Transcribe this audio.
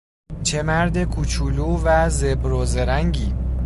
چه مرد کوچولو و زبر و زرنگی!